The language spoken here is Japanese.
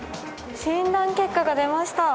診断結果が出ました。